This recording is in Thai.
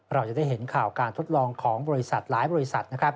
เราจะได้เห็นข่าวการทดลองของบริษัทหลายบริษัทนะครับ